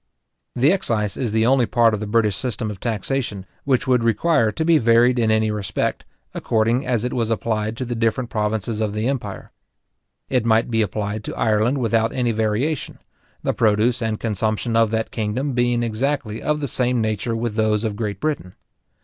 The excise is the only part of the British system of taxation, which would require to be varied in any respect, according as it was applied to the different provinces of the empire. It might be applied to Ireland without any variation; the produce and consumption of that kingdom being exactly of the same nature with those of Great Britain.